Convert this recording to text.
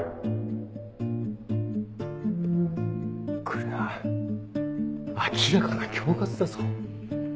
これは明らかな恐喝だぞ。